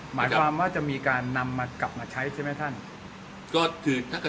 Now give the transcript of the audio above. หมายความว่าจะมีการนำมากลับมาใช้ใช่ไหมท่าน